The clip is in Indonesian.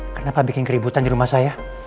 kenapa bikin keributan di rumah saya